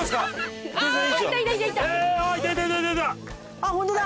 あっホントだ！